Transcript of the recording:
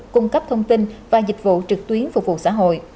cung cấp thông tin và dịch vụ trực tuyến phục vụ xã hội